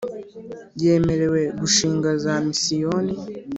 yemerewe gushinga za misiyoni